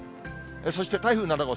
そして台風７号。